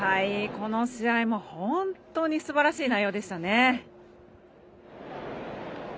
この試合も本当にすばらしい内容でしたね。